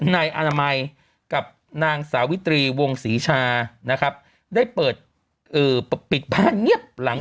นายอนามัยกับนางสาวิตรีวงศรีชานะครับได้เปิดปิดผ้าเงียบหลัง